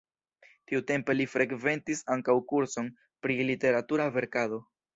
Tiutempe li frekventis ankaŭ kurson pri literatura verkado.